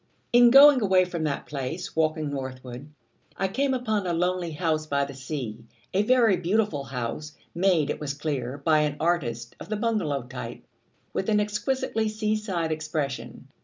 In going away from that place, walking northward, I came upon a lonely house by the sea, a very beautiful house, made, it was clear, by an artist, of the bungalow type, with an exquisitely sea side expression.